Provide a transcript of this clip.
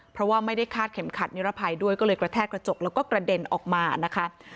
เพราะว่าไม่ได้คาดเข็มขัดนิรภัยด้วยก็เลยกระแทกกระจกแล้วก็กระเด็นออกมานะคะ